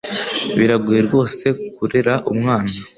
Biragoye rwose kurera umwana.